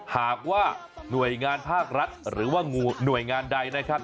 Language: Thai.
หากว่าหน่วยงานภาครัฐหรือว่าหน่วยงานใดนะครับ